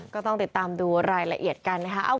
ก็ต้องติดตามดูรายละเอียดกันนะคะ